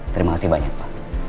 terima kasih banyak pak